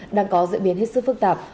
đang có diễn biến hết sức phức tạp